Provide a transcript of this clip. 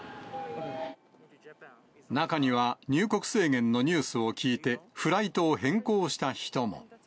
中には、入国制限のニュースを聞いて、フライトを変更した人も。